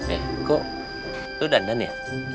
eh kok itu dandan ya